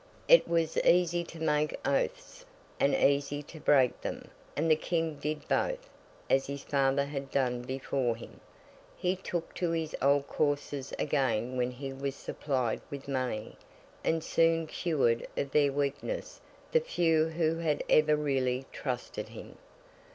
It was easy to make oaths, and easy to break them; and the King did both, as his father had done before him. He took to his old courses again when he was supplied with money, and soon cured of their weakness the few who had ever really trusted him.